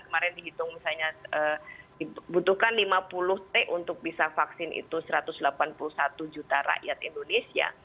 kemarin dihitung misalnya dibutuhkan lima puluh t untuk bisa vaksin itu satu ratus delapan puluh satu juta rakyat indonesia